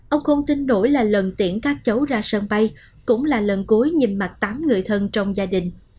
ông không tin đổi là lần tiễn các cháu ra sân bay cũng là lần cuối nhìn mặt tám người thân trong gia đình